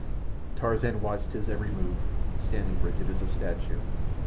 Tarzan watched his every move, standing rigid as a statue.